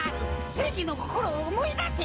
せいぎのこころをおもいだせ。